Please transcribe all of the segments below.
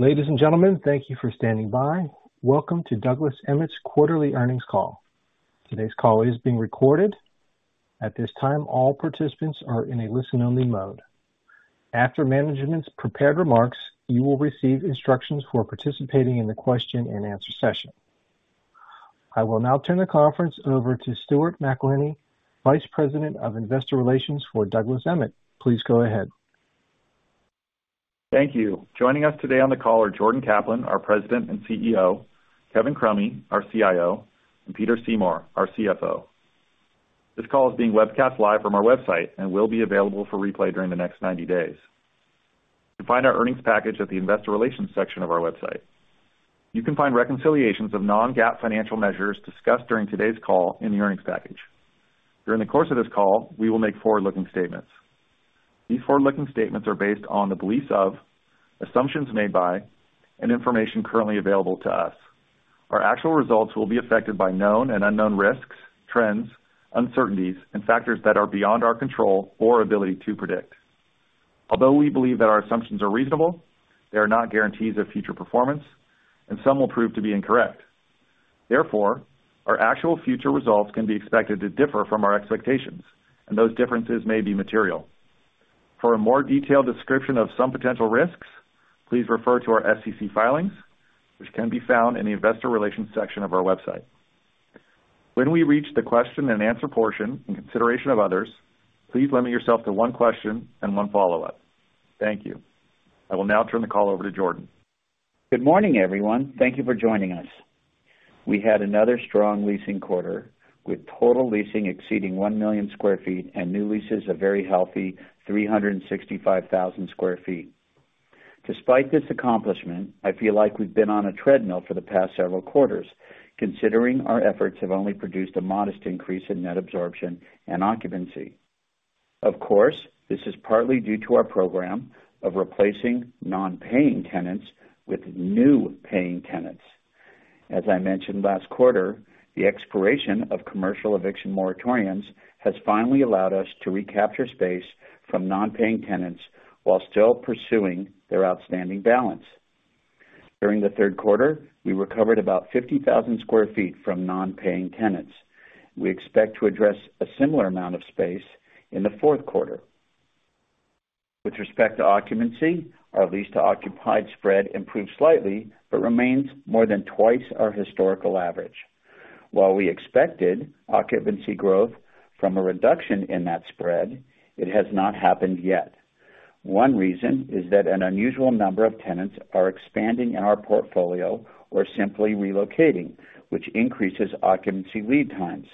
Ladies and gentlemen, thank you for standing by. Welcome to Douglas Emmett's quarterly earnings call. Today's call is being recorded. At this time, all participants are in a listen-only mode. After management's prepared remarks, you will receive instructions for participating in the question and answer session. I will now turn the conference over to Stuart McElhinney, Vice President of Investor Relations for Douglas Emmett. Please go ahead. Thank you. Joining us today on the call are Jordan Kaplan, our President and CEO, Kevin Crummy, our CIO, and Peter Seymour, our CFO. This call is being webcast live from our website and will be available for replay during the next 90 days. You'll find our earnings package at the investor relations section of our website. You can find reconciliations of non-GAAP financial measures discussed during today's call in the earnings package. During the course of this call, we will make forward-looking statements. These forward-looking statements are based on the beliefs of, assumptions made by, and information currently available to us. Our actual results will be affected by known and unknown risks, trends, uncertainties, and factors that are beyond our control or ability to predict. Although we believe that our assumptions are reasonable, they are not guarantees of future performance, and some will prove to be incorrect. Therefore, our actual future results can be expected to differ from our expectations, and those differences may be material. For a more detailed description of some potential risks, please refer to our SEC filings, which can be found in the investor relations section of our website. When we reach the question and answer portion, in consideration of others, please limit yourself to one question and one follow-up. Thank you. I will now turn the call over to Jordan. Good morning, everyone. Thank you for joining us. We had another strong leasing quarter, with total leasing exceeding 1 million sq ft and new leases a very healthy 365,000 sq ft. Despite this accomplishment, I feel like we've been on a treadmill for the past several quarters, considering our efforts have only produced a modest increase in net absorption and occupancy. Of course, this is partly due to our program of replacing non-paying tenants with new paying tenants. As I mentioned last quarter, the expiration of commercial eviction moratoriums has finally allowed us to recapture space from non-paying tenants while still pursuing their outstanding balance. During the third quarter, we recovered about 50,000 sq ft from non-paying tenants. We expect to address a similar amount of space in the fourth quarter. With respect to occupancy, our lease-to-occupied spread improved slightly, but remains more than twice our historical average. While we expected occupancy growth from a reduction in that spread, it has not happened yet. One reason is that an unusual number of tenants are expanding in our portfolio or simply relocating, which increases occupancy lead times.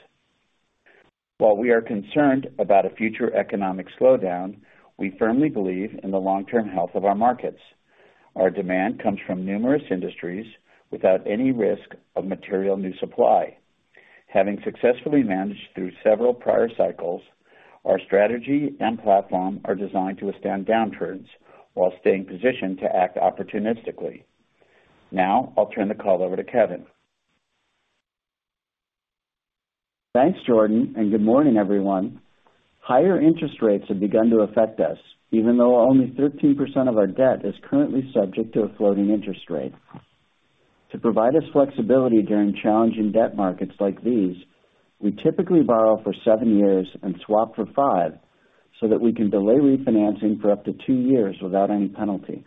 While we are concerned about a future economic slowdown, we firmly believe in the long-term health of our markets. Our demand comes from numerous industries without any risk of material new supply. Having successfully managed through several prior cycles, our strategy and platform are designed to withstand downturns while staying positioned to act opportunistically. Now, I'll turn the call over to Kevin. Thanks, Jordan, and good morning, everyone. Higher interest rates have begun to affect us, even though only 13% of our debt is currently subject to a floating interest rate. To provide us flexibility during challenging debt markets like these, we typically borrow for seven years and swap for five, so that we can delay refinancing for up to two years without any penalty.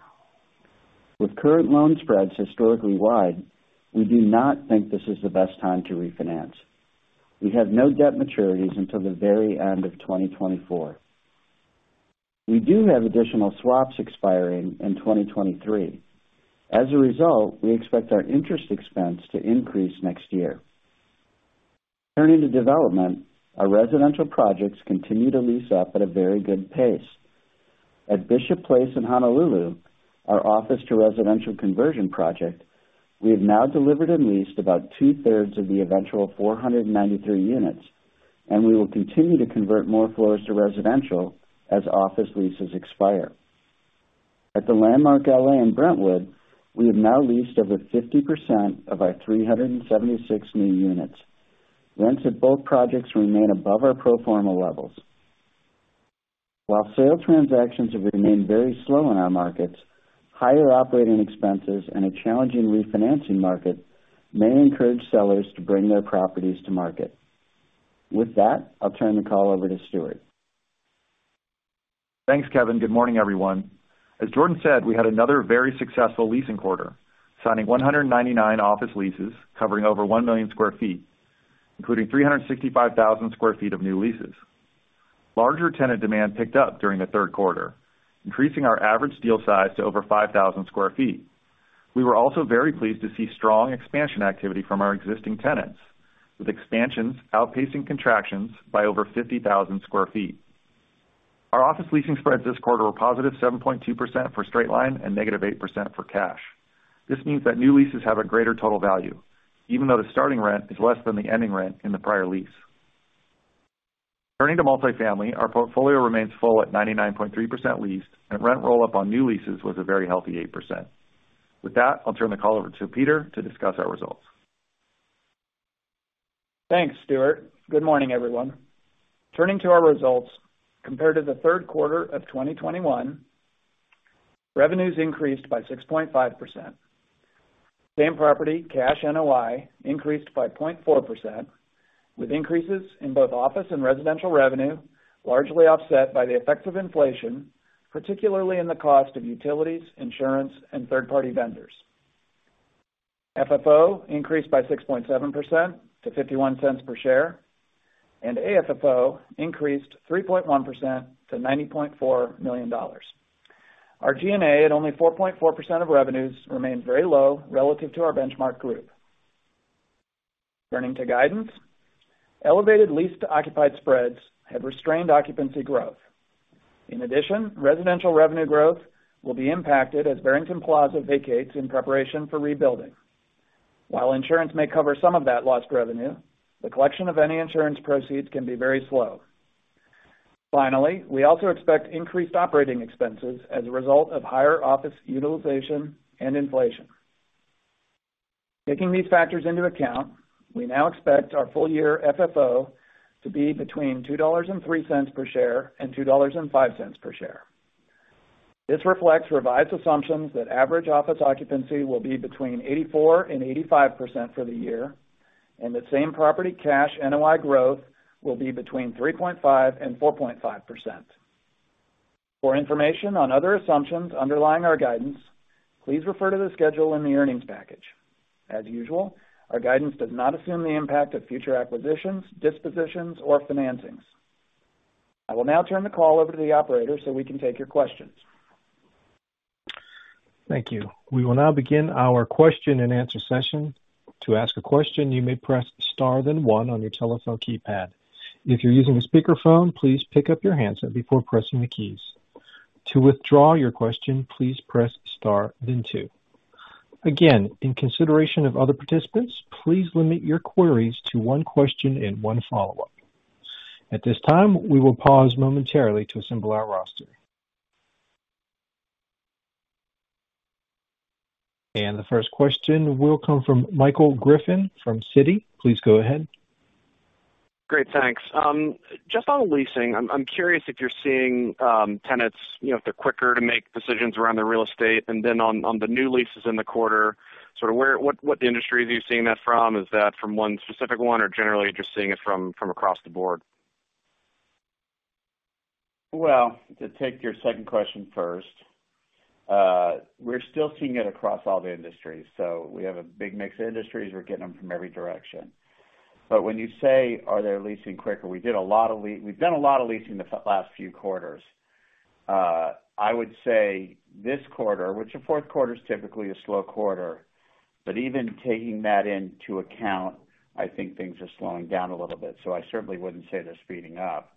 With current loan spreads historically wide, we do not think this is the best time to refinance. We have no debt maturities until the very end of 2024. We do have additional swaps expiring in 2023. As a result, we expect our interest expense to increase next year. Turning to development, our residential projects continue to lease up at a very good pace. At Bishop Place in Honolulu, our office to residential conversion project, we have now delivered and leased about 2/3 of the eventual 493 units, and we will continue to convert more floors to residential as office leases expire. At the Landmark L.A. in Brentwood, we have now leased over 50% of our 376 new units. Rents at both projects remain above our pro forma levels. While sale transactions have remained very slow in our markets, higher operating expenses and a challenging refinancing market may encourage sellers to bring their properties to market. With that, I'll turn the call over to Stuart. Thanks, Kevin. Good morning, everyone. As Jordan said, we had another very successful leasing quarter, signing 199 office leases covering over 1 million sq ft, including 365,000 sq ft of new leases. Larger tenant demand picked up during the third quarter, increasing our average deal size to over 5,000 sq ft. We were also very pleased to see strong expansion activity from our existing tenants, with expansions outpacing contractions by over 50,000 sq ft. Our office leasing spreads this quarter were positive 7.2% for straight line and -8% for cash. This means that new leases have a greater total value, even though the starting rent is less than the ending rent in the prior lease. Turning to multifamily, our portfolio remains full at 99.3% leased, and rent roll-up on new leases was a very healthy 8%. With that, I'll turn the call over to Peter to discuss our results. Thanks, Stuart. Good morning, everyone. Turning to our results, compared to the third quarter of 2021, revenues increased by 6.5%. Same property cash NOI increased by 0.4%, with increases in both office and residential revenue, largely offset by the effects of inflation, particularly in the cost of utilities, insurance, and third-party vendors. FFO increased by 6.7% to $0.51 per share, and AFFO increased 3.1% to $94 million. Our G&A at only 4.4% of revenues remained very low relative to our benchmark group. Turning to guidance, elevated lease-to-occupied spreads have restrained occupancy growth. In addition, residential revenue growth will be impacted as Barrington Plaza vacates in preparation for rebuilding. While insurance may cover some of that lost revenue, the collection of any insurance proceeds can be very slow. Finally, we also expect increased operating expenses as a result of higher office utilization and inflation. Taking these factors into account, we now expect our full year FFO to be between $2.03 per share and $2.05 per share. This reflects revised assumptions that average office occupancy will be between 84%-85% for the year, and the same property cash NOI growth will be between 3.5%-4.5%. For information on other assumptions underlying our guidance, please refer to the schedule in the earnings package. As usual, our guidance does not assume the impact of future acquisitions, dispositions, or financings. I will now turn the call over to the operator so we can take your questions. Thank you. We will now begin our question-and-answer session. To ask a question, you may press star then one on your telephone keypad. If you're using a speakerphone, please pick up your handset before pressing the keys. To withdraw your question, please press star then two. Again, in consideration of other participants, please limit your queries to one question and one follow-up. At this time, we will pause momentarily to assemble our roster. The first question will come from Michael Griffin from Citi. Please go ahead. Great, thanks. Just on leasing, I'm curious if you're seeing tenants, you know, if they're quicker to make decisions around the real estate and then on the new leases in the quarter, sort of what industries are you seeing that from? Is that from one specific one or generally just seeing it from across the board? Well, to take your second question first, we're still seeing it across all the industries. We have a big mix of industries. We're getting them from every direction. When you say, are they leasing quicker? We've done a lot of leasing the last few quarters. I would say this quarter, which the fourth quarter is typically a slow quarter, but even taking that into account, I think things are slowing down a little bit, so I certainly wouldn't say they're speeding up.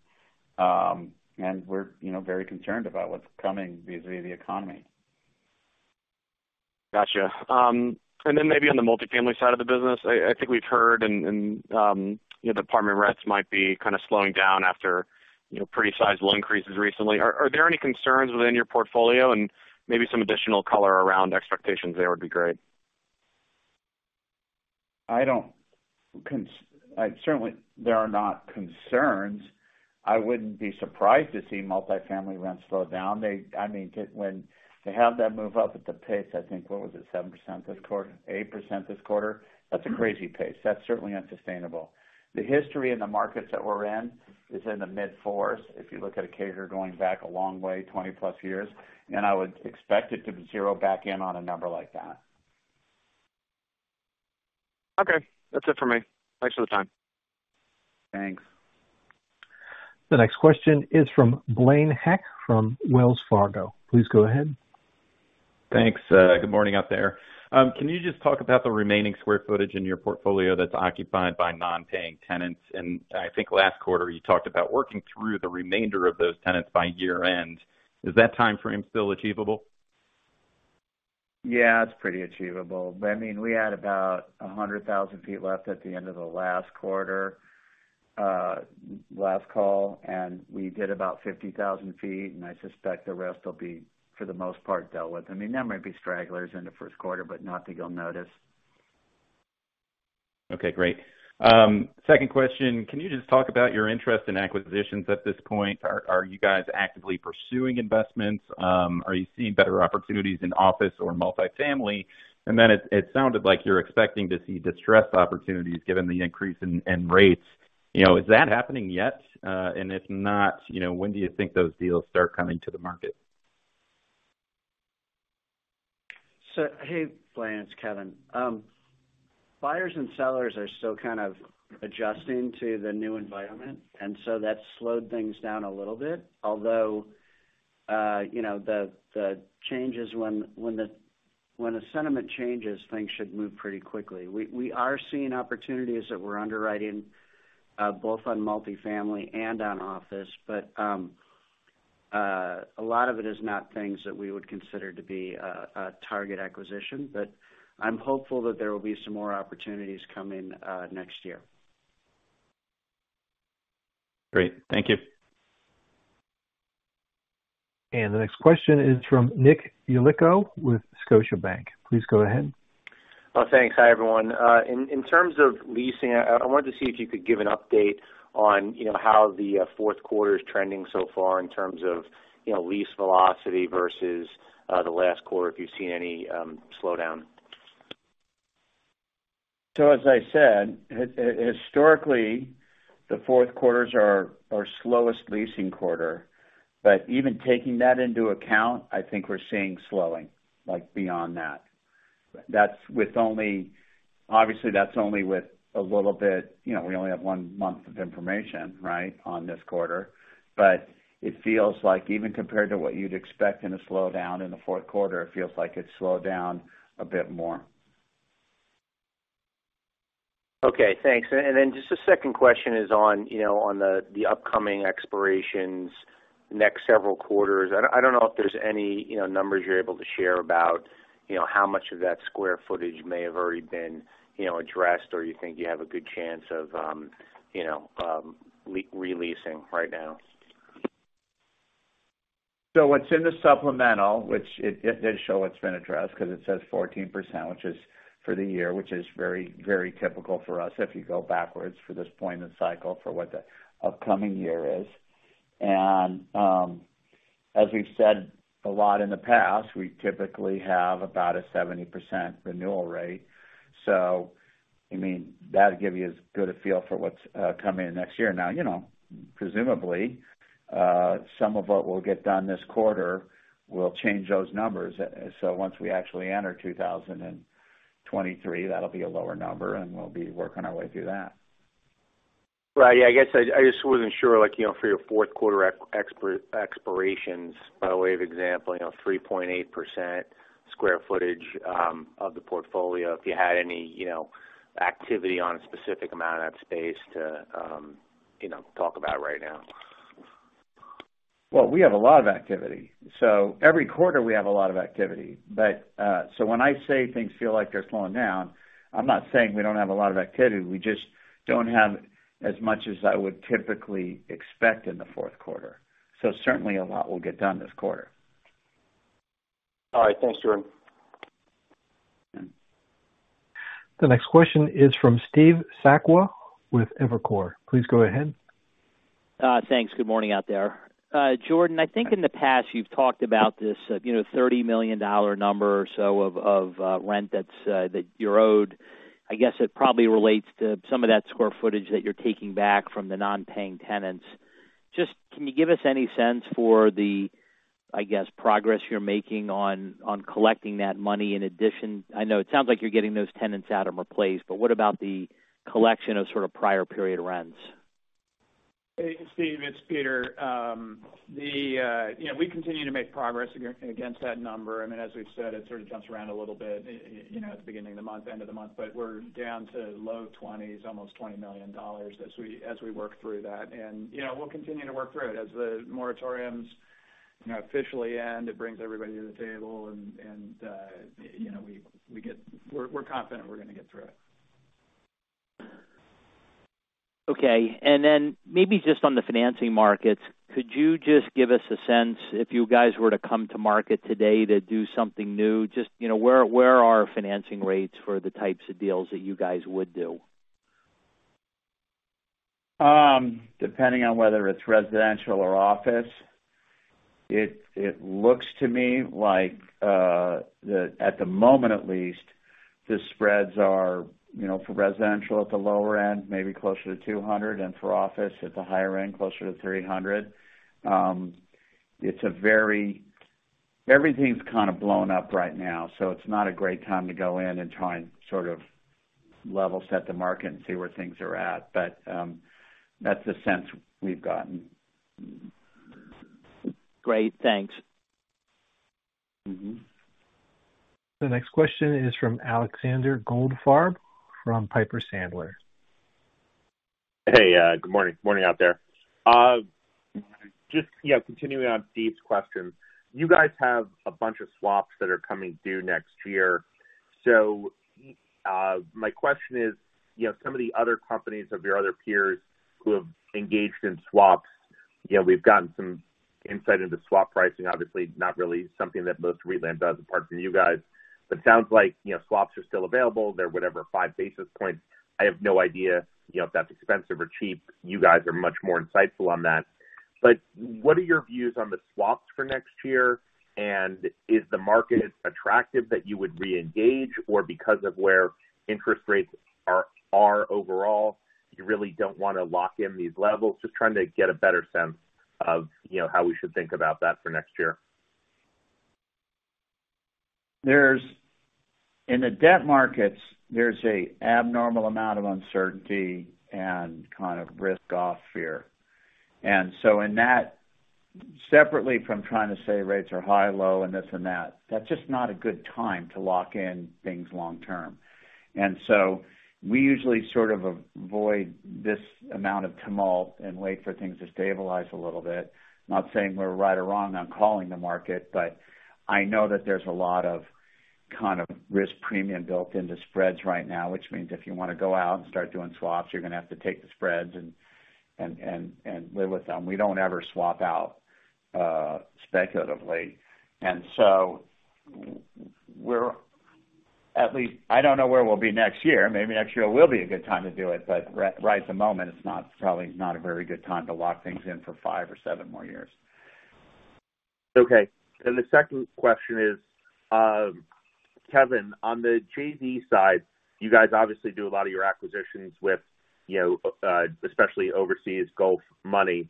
We're, you know, very concerned about what's coming vis-a-vis the economy. Gotcha. Maybe on the multifamily side of the business, I think we've heard and you know, the apartment rents might be kind of slowing down after you know, pretty sizable increases recently. Are there any concerns within your portfolio and maybe some additional color around expectations there would be great? Certainly there are no concerns. I wouldn't be surprised to see multifamily rents slow down. I mean, when you have that move up at the pace, I think, what was it, 7% this quarter, 8% this quarter, that's a crazy pace. That's certainly unsustainable. The history in the markets that we're in is in the mid-four, if you look at a CAGR going back a long way, 20+ years, and I would expect it to zero in on a number like that. Okay, that's it for me. Thanks for the time. Thanks. The next question is from Blaine Heck from Wells Fargo. Please go ahead. Thanks. Good morning out there. Can you just talk about the remaining square footage in your portfolio that's occupied by non-paying tenants? I think last quarter you talked about working through the remainder of those tenants by year-end. Is that timeframe still achievable? Yeah, it's pretty achievable. I mean, we had about 100,000 sq ft left at the end of the last quarter, last call, and we did about 50,000 sq ft, and I suspect the rest will be, for the most part, dealt with. I mean, there might be stragglers in the first quarter, but nothing you'll notice. Okay, great. Second question, can you just talk about your interest in acquisitions at this point? Are you guys actively pursuing investments? Are you seeing better opportunities in office or multifamily? It sounded like you're expecting to see distressed opportunities given the increase in rates. You know, is that happening yet? If not, you know, when do you think those deals start coming to the market? Hey, Blaine, it's Kevin. Buyers and sellers are still kind of adjusting to the new environment, and so that's slowed things down a little bit. Although the changes when the sentiment changes, things should move pretty quickly. We are seeing opportunities that we're underwriting both on multifamily and on office, but a lot of it is not things that we would consider to be a target acquisition. I'm hopeful that there will be some more opportunities coming next year. Great. Thank you. The next question is from Nick Yulico with Scotiabank. Please go ahead. Well, thanks. Hi, everyone. In terms of leasing, I wanted to see if you could give an update on, you know, how the fourth quarter is trending so far in terms of, you know, lease velocity versus the last quarter, if you've seen any slowdown. As I said, historically, the fourth quarter's our slowest leasing quarter. Even taking that into account, I think we're seeing slowing, like beyond that. That's with only obviously, that's only with a little bit, you know, we only have one month of information, right, on this quarter. It feels like even compared to what you'd expect in a slowdown in the fourth quarter, it feels like it's slowed down a bit more. Okay. Thanks. Just a second question is on, you know, on the upcoming expirations next several quarters. I don't know if there's any, you know, numbers you're able to share about, you know, how much of that square footage may have already been, you know, addressed or you think you have a good chance of, you know, re-releasing right now. What's in the supplemental, which it did show it's been addressed because it says 14%, which is for the year, which is very, very typical for us if you go backwards for this point in the cycle for what the upcoming year is. As we've said a lot in the past, we typically have about a 70% renewal rate. I mean, that'll give you as good a feel for what's coming in next year. Now, you know, presumably, some of what we'll get done this quarter will change those numbers. Once we actually enter 2023, that'll be a lower number, and we'll be working our way through that. Right. Yeah, I guess I just wasn't sure, like, you know, for your fourth quarter expirations, by way of example, you know, 3.8% square footage of the portfolio, if you had any, you know, activity on a specific amount of that space to talk about right now. Well, we have a lot of activity. Every quarter we have a lot of activity. When I say things feel like they're slowing down, I'm not saying we don't have a lot of activity. We just don't have as much as I would typically expect in the fourth quarter. Certainly a lot will get done this quarter. All right. Thanks, Jordan. The next question is from Steve Sakwa with Evercore. Please go ahead. Thanks. Good morning out there. Jordan, I think in the past you've talked about this, you know, $30 million number or so of rent that's that you're owed. I guess it probably relates to some of that square footage that you're taking back from the non-paying tenants. Just can you give us any sense for the progress you're making on collecting that money in addition. I know it sounds like you're getting those tenants out and replaced, but what about the collection of sort of prior period rents? Hey, Steve Sakwa, it's Peter Seymour. You know, we continue to make progress against that number. I mean, as we've said, it sort of jumps around a little bit, you know, at the beginning of the month, end of the month, but we're down to low 20s, almost $20 million as we work through that. You know, we'll continue to work through it. As the moratoriums officially end, it brings everybody to the table. We're confident we're gonna get through it. Okay. Maybe just on the financing markets, could you just give us a sense if you guys were to come to market today to do something new, just, you know, where are financing rates for the types of deals that you guys would do? Depending on whether it's residential or office, it looks to me like at the moment at least, the spreads are, you know, for residential at the lower end, maybe closer to 200, and for office at the higher end, closer to 300. Everything's kind of blown up right now, so it's not a great time to go in and try and sort of level set the market and see where things are at. That's the sense we've gotten. Great. Thanks. Mm-hmm. The next question is from Alexander Goldfarb from Piper Sandler. Hey, good morning. Morning out there. Just, yeah, continuing on Steve's question, you guys have a bunch of swaps that are coming due next year. My question is, you know, some of the other companies of your other peers who have engaged in swaps, you know, we've gotten some insight into swap pricing, obviously not really something that most real estate does apart from you guys. It sounds like, you know, swaps are still available. They're whatever, five basis points. I have no idea, you know, if that's expensive or cheap. You guys are much more insightful on that. What are your views on the swaps for next year? Is the market attractive that you would reengage, or because of where interest rates are overall, you really don't wanna lock in these levels? Just trying to get a better sense of, you know, how we should think about that for next year. In the debt markets, there's an abnormal amount of uncertainty and kind of risk-off fear. In that, separately from trying to say rates are high or low and this and that's just not a good time to lock in things long term. We usually sort of avoid this amount of tumult and wait for things to stabilize a little bit. Not saying we're right or wrong on calling the market, but I know that there's a lot of kind of risk premium built into spreads right now, which means if you wanna go out and start doing swaps, you're gonna have to take the spreads and live with them. We don't ever swap out speculatively. I don't know where we'll be next year. Maybe next year will be a good time to do it, but right at the moment, it's not, probably not a very good time to lock things in for five or seven more years. Okay. The second question is, Kevin, on the JV side, you guys obviously do a lot of your acquisitions with, you know, especially overseas Gulf money.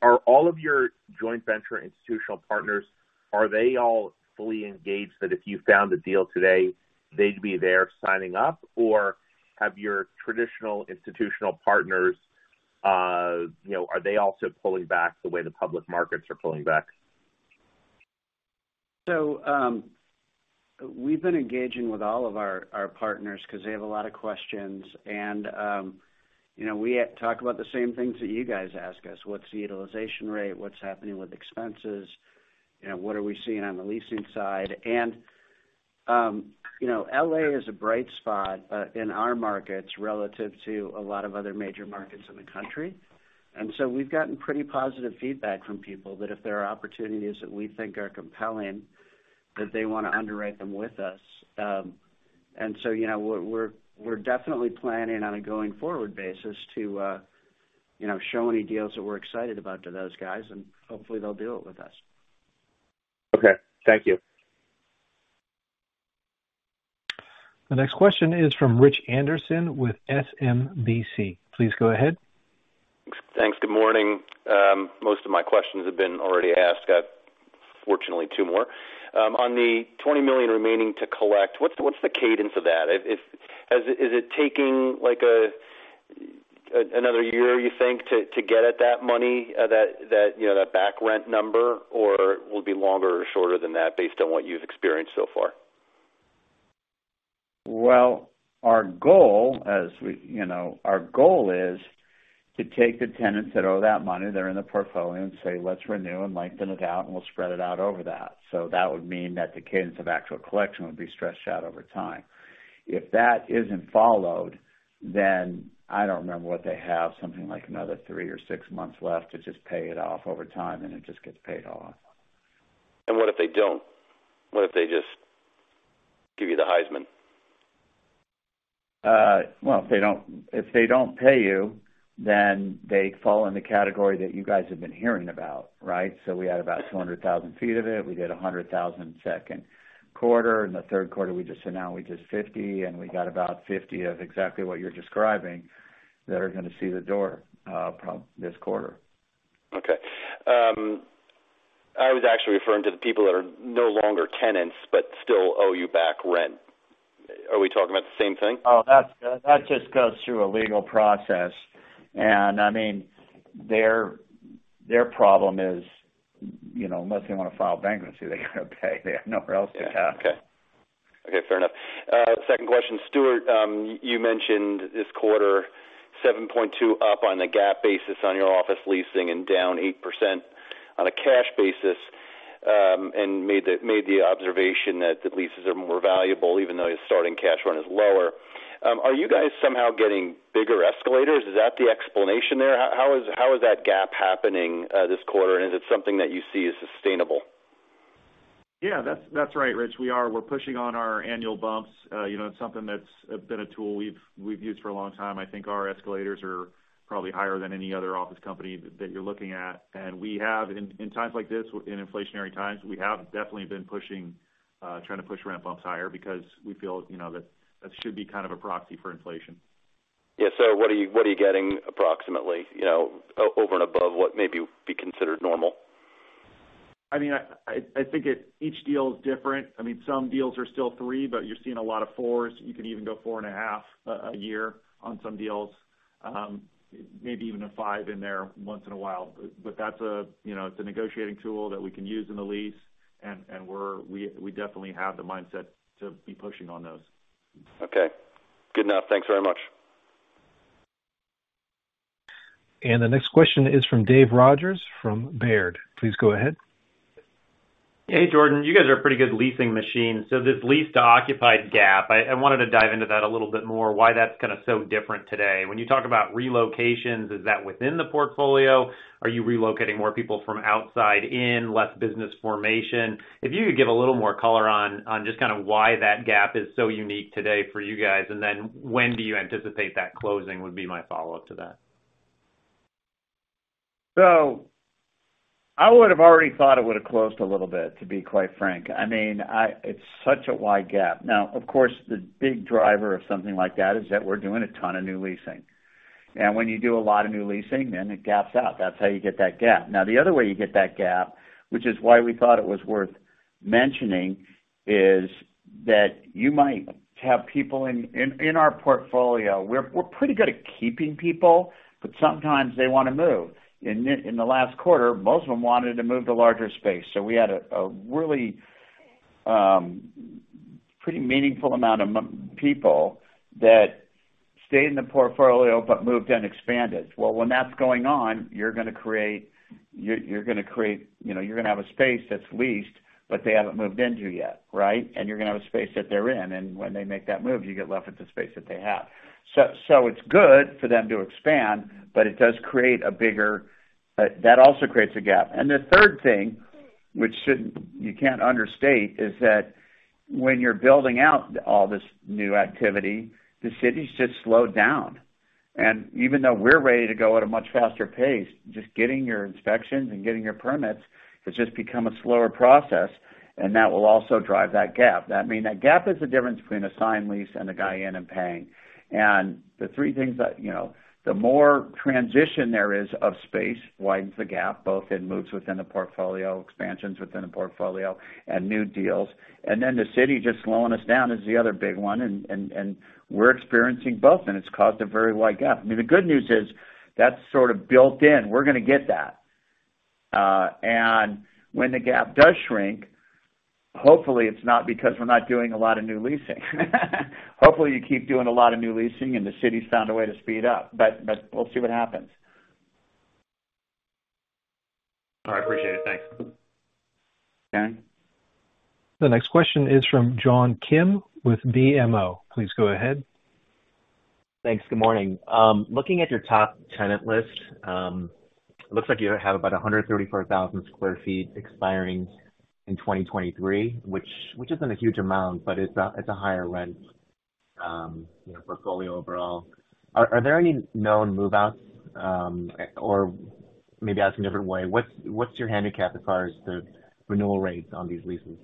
Are all of your joint venture institutional partners, are they all fully engaged that if you found a deal today, they'd be there signing up? Or have your traditional institutional partners, you know, are they also pulling back the way the public markets are pulling back? We've been engaging with all of our partners 'cause they have a lot of questions. You know, we talk about the same things that you guys ask us. What's the utilization rate? What's happening with expenses? You know, what are we seeing on the leasing side? You know, L.A. is a bright spot, but in our markets relative to a lot of other major markets in the country. We've gotten pretty positive feedback from people that if there are opportunities that we think are compelling, that they wanna underwrite them with us. You know, we're definitely planning on a going forward basis to, you know, show any deals that we're excited about to those guys, and hopefully they'll do it with us. Okay, thank you. The next question is from Rich Anderson with SMBC. Please go ahead. Thanks. Good morning. Most of my questions have been already asked. I've fortunately two more. On the $20 million remaining to collect, what's the cadence of that? If Is it taking like another year, you think, to get that money, that you know, that back rent number, or will be longer or shorter than that based on what you've experienced so far? Well, you know, our goal is to take the tenants that owe that money, they're in the portfolio and say, let's renew and lengthen it out, and we'll spread it out over that. That would mean that the cadence of actual collection would be stretched out over time. If that isn't followed, I don't remember what they have, something like another three or six months left to just pay it off over time, and it just gets paid off. What if they don't? What if they just give you the Heisman? Well, if they don't pay you, then they fall in the category that you guys have been hearing about, right? We had about 200,000 ft of it. We did 100,000 second quarter. In the third quarter, we just announced we did 50, and we got about 50 of exactly what you're describing that are gonna see the door this quarter. Okay. I was actually referring to the people that are no longer tenants but still owe you back rent. Are we talking about the same thing? That's just goes through a legal process. I mean, their problem is, you know, unless they wanna file bankruptcy, they gotta pay. They have nowhere else to go. Okay. Okay, fair enough. Second question. Stuart, you mentioned this quarter, 7.2% up on the GAAP basis on your office leasing and down 8% on a cash basis, and made the observation that the leases are more valuable even though your starting cash rent is lower. Are you guys somehow getting bigger escalators? Is that the explanation there? How is that GAAP happening this quarter? Is it something that you see is sustainable? Yeah. That's right, Rich. We are. We're pushing on our annual bumps. You know, it's something that's been a tool we've used for a long time. I think our escalators are probably higher than any other office company that you're looking at. We have, in times like this, in inflationary times, we have definitely been pushing, trying to push ramp ups higher because we feel, you know, that should be kind of a proxy for inflation. Yeah. What are you getting approximately, you know, over and above what maybe would be considered normal? I mean, each deal is different. I mean, some deals are still three, but you're seeing a lot of 4s. You can even go 4.5 a year on some deals. Maybe even a five in there once in a while. That's, you know, it's a negotiating tool that we can use in the lease, and we're definitely have the mindset to be pushing on those. Okay. Good enough. Thanks very much. The next question is from Dave Rogers, from Baird. Please go ahead. Hey, Jordan. You guys are a pretty good leasing machine. This lease-to-occupied gap, I wanted to dive into that a little bit more, why that's kinda so different today. When you talk about relocations, is that within the portfolio? Are you relocating more people from outside in, less business formation? If you could give a little more color on just kind of why that gap is so unique today for you guys, and then when do you anticipate that closing would be my follow-up to that. I would have already thought it would have closed a little bit, to be quite frank. I mean, it's such a wide gap. Now, of course, the big driver of something like that is that we're doing a ton of new leasing. When you do a lot of new leasing, then it gaps out. That's how you get that GAAP. Now, the other way you get that GAAP, which is why we thought it was worth mentioning, is that you might have people in our portfolio. We're pretty good at keeping people, but sometimes they wanna move. In the last quarter, most of them wanted to move to larger space. We had a really pretty meaningful amount of people that stayed in the portfolio but moved and expanded. Well, when that's going on, you're gonna create you know, you're gonna have a space that's leased, but they haven't moved into yet, right? You're gonna have a space that they're in. When they make that move, you get left with the space that they have. It's good for them to expand, but it does create a bigger. But that also creates a gap. The third thing, you can't understate, is that when you're building out all this new activity, the cities just slow down. Even though we're ready to go at a much faster pace, just getting your inspections and getting your permits, it's just become a slower process, and that will also drive that gap. I mean, that gap is the difference between a signed lease and a guy in and paying. The three things that, you know, the more transition there is of space widens the gap, both in moves within the portfolio, expansions within the portfolio and new deals. Then the city just slowing us down is the other big one. We're experiencing both, and it's caused a very wide gap. I mean, the good news is that's sort of built in. We're gonna get that. When the gap does shrink, hopefully, it's not because we're not doing a lot of new leasing. Hopefully, you keep doing a lot of new leasing, and the city's found a way to speed up. We'll see what happens. All right. Appreciate it. Thanks. Dan. The next question is from John Kim with BMO. Please go ahead. Thanks. Good morning. Looking at your top tenant list, it looks like you have about 134,000 sq ft expiring in 2023, which isn't a huge amount, but it's a higher rent, you know, portfolio overall. Are there any known move-outs, or maybe ask a different way. What's your handicap as far as the renewal rates on these leases?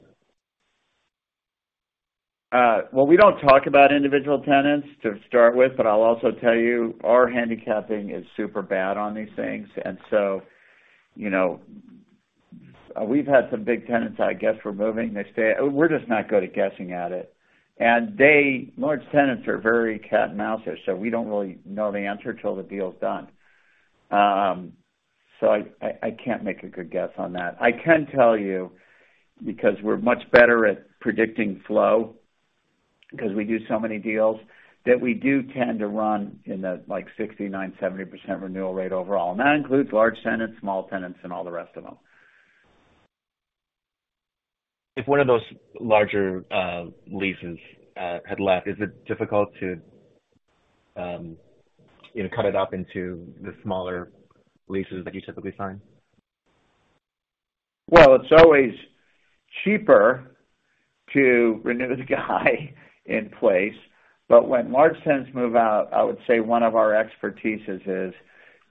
Well, we don't talk about individual tenants to start with, but I'll also tell you our handicapping is super bad on these things. You know, we've had some big tenants, I guess. We're just not good at guessing at it. Large tenants are very cat and mouse-ish, so we don't really know the answer till the deal's done. I can't make a good guess on that. I can tell you because we're much better at predicting flow because we do so many deals, that we do tend to run in the, like, 69%-70% renewal rate overall. That includes large tenants, small tenants, and all the rest of them. If one of those larger leases had left, is it difficult to, you know, cut it up into the smaller leases that you typically sign? Well, it's always cheaper to renew the guy in place. When large tenants move out, I would say one of our expertises is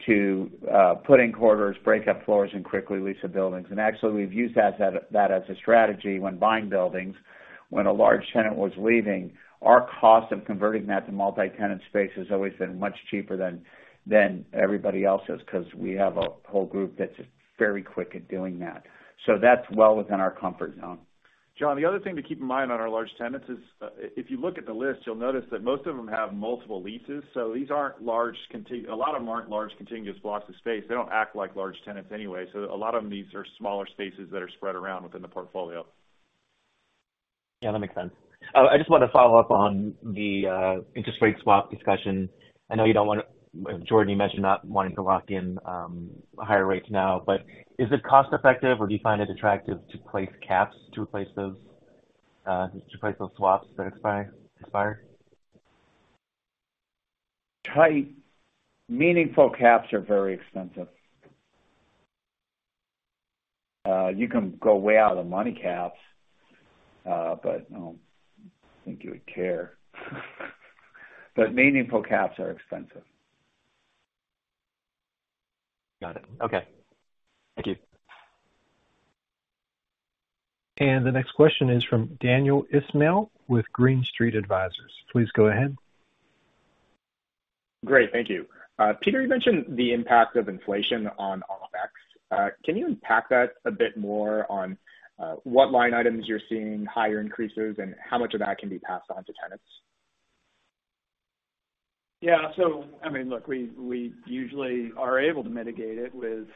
to put in quarters, break up floors, and quickly lease the buildings. Actually, we've used that as a strategy when buying buildings. When a large tenant was leaving, our cost of converting that to multi-tenant space has always been much cheaper than everybody else's 'cause we have a whole group that's very quick at doing that. That's well within our comfort zone. John, the other thing to keep in mind on our large tenants is, if you look at the list, you'll notice that most of them have multiple leases. A lot of them aren't large contiguous blocks of space. They don't act like large tenants anyway, so a lot of their leases are smaller spaces that are spread around within the portfolio. Yeah, that makes sense. I just want to follow up on the interest rate swap discussion. I know you don't want to. Jordan, you mentioned not wanting to lock in higher rates now, but is it cost-effective or do you find it attractive to place caps to replace those swaps that expire? Tight, meaningful caps are very expensive. You can go way out on money caps, but I don't think you would care. Meaningful caps are expensive. Got it. Okay. Thank you. The next question is from Daniel Ismail with Green Street Advisors. Please go ahead. Great. Thank you. Peter, you mentioned the impact of inflation on expenses. Can you unpack that a bit more on what line items you're seeing higher increases and how much of that can be passed on to tenants? Yeah. I mean, look, we usually are able to mitigate it with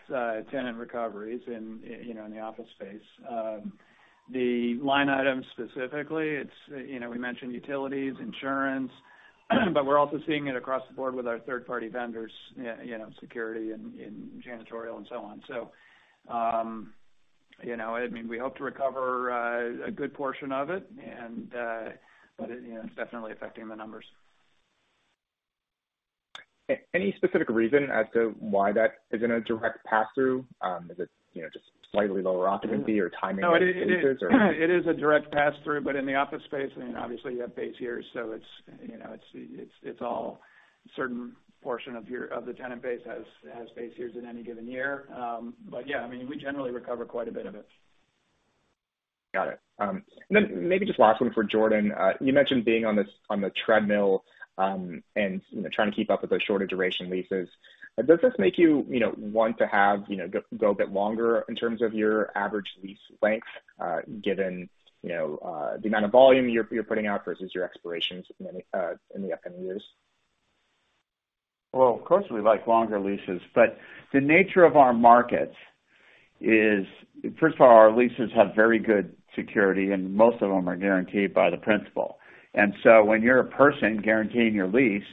tenant recoveries in, you know, in the office space. The line items specifically, it's, you know, we mentioned utilities, insurance, but we're also seeing it across the board with our third-party vendors, you know, security and janitorial and so on. I mean, we hope to recover a good portion of it and, but, you know, it's definitely affecting the numbers. Any specific reason as to why that isn't a direct pass-through? Is it, you know, just slightly lower occupancy or timing? No, it is a direct pass-through, but in the office space, I mean, obviously you have base years, so it's, you know, it's all certain portion of the tenant base has base years in any given year. But yeah, I mean, we generally recover quite a bit of it. Got it. Maybe just last one for Jordan. You mentioned being on the treadmill, and, you know, trying to keep up with those shorter duration leases. Does this make you know, want to have, you know, go a bit longer in terms of your average lease length, given, you know, the amount of volume you're putting out versus your expirations in the upcoming years? Well, of course, we like longer leases, but the nature of our markets is. First of all, our leases have very good security, and most of them are guaranteed by the principal. When you're a person guaranteeing your lease,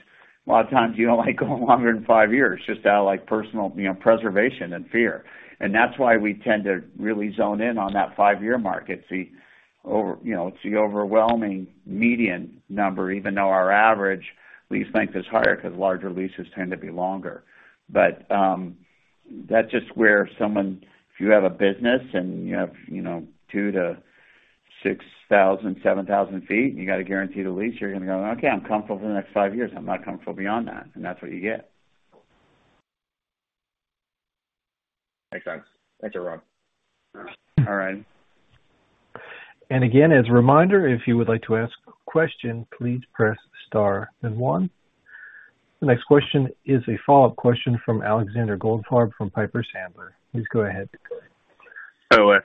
a lot of times you don't like going longer than five years just out of, like, personal, you know, preservation and fear. That's why we tend to really zone in on that five-year market. You know, it's the overwhelming median number, even though our average lease length is higher because larger leases tend to be longer. That's just where someone if you have a business and you have, you know, 2,000-6,000, 7,000 sq ft, and you got a guaranteed lease, you're gonna go, "Okay, I'm comfortable for the next five years. I'm not comfortable beyond that." That's what you get. Makes sense. Thank you, Rob. All right. Again, as a reminder, if you would like to ask a question, please press star then one. The next question is a follow-up question from Alexander Goldfarb from Piper Sandler. Please go ahead.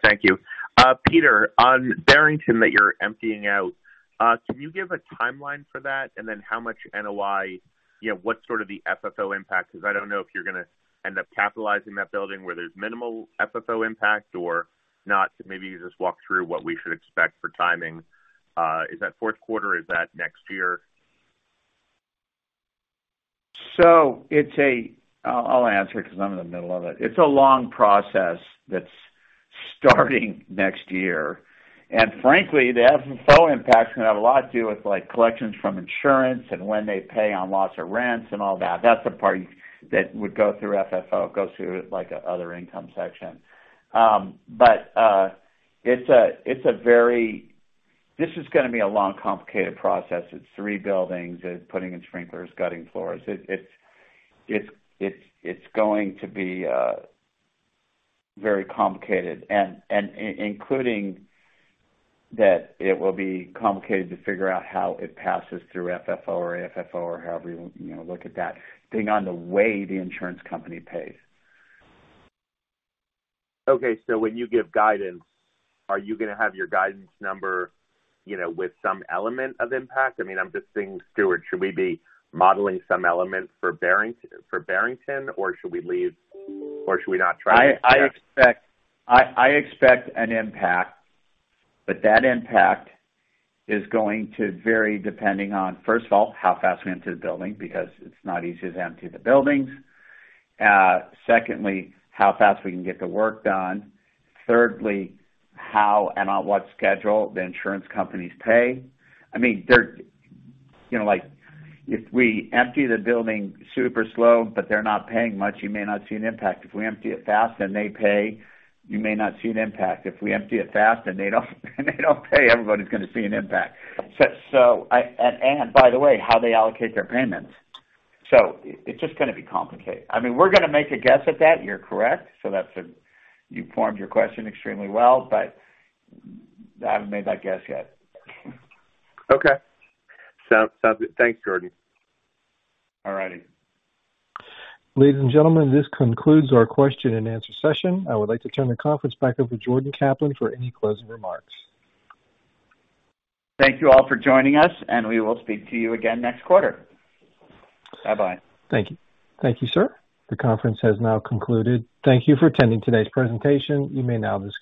Thank you. Peter, on Barrington that you're emptying out, can you give a timeline for that? Then how much NOI, you know, what sort of the FFO impact? Because I don't know if you're gonna end up capitalizing that building where there's minimal FFO impact or not. Maybe you just walk through what we should expect for timing. Is that fourth quarter? Is that next year? I'll answer it 'cause I'm in the middle of it. It's a long process that's starting next year. Frankly, the FFO impact is gonna have a lot to do with, like, collections from insurance and when they pay on lots of rents and all that. That's the part that would go through FFO, goes through, like, other income section. It's a very this is gonna be a long, complicated process. It's three buildings. It's putting in sprinklers, gutting floors. It's going to be very complicated, and including that it will be complicated to figure out how it passes through FFO or AFFO or however you know look at that, depending on the way the insurance company pays. Okay, when you give guidance, are you gonna have your guidance number, you know, with some element of impact? I mean, I'm just thinking through, should we be modeling some element for Barrington, or should we leave or should we not try to- I expect an impact, but that impact is going to vary depending on, first of all, how fast we empty the building, because it's not easy to empty the buildings. Secondly, how fast we can get the work done. Thirdly, how and on what schedule the insurance companies pay. I mean, they're, you know, like, if we empty the building super slow, but they're not paying much, you may not see an impact. If we empty it fast, then they pay, you may not see an impact. If we empty it fast and they don't pay, everybody's gonna see an impact. So I and by the way, how they allocate their payments. So it's just gonna be complicated. I mean, we're gonna make a guess at that, you're correct. So that's a. You formed your question extremely well, but I haven't made that guess yet. Okay. Sounds good. Thanks, Jordan. All righty. Ladies and gentlemen, this concludes our question and answer session. I would like to turn the conference back over to Jordan Kaplan for any closing remarks. Thank you all for joining us, and we will speak to you again next quarter. Bye bye. Thank you. Thank you, sir. The conference has now concluded. Thank you for attending today's presentation. You may now disconnect.